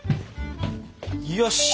よし！